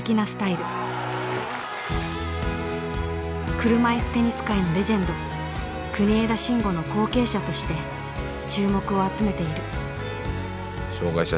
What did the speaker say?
車いすテニス界のレジェンド国枝慎吾の後継者として注目を集めている。